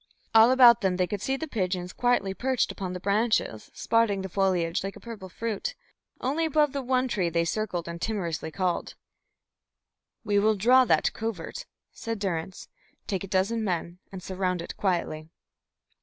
All about them they could see the pigeons quietly perched upon the branches, spotting the foliage like a purple fruit. Only above the one tree they circled and timorously called. "We will draw that covert," said Durrance. "Take a dozen men and surround it quietly."